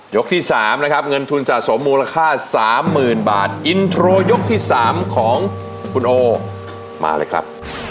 ยกที่สามนะครับเงินทุนสะสมมูลค่าสามหมื่นบาทยกที่สามของคุณโอมาเลยครับ